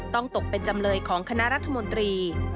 ตกเป็นจำเลยของคณะรัฐมนตรี